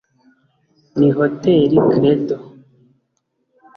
ni Hotel Credo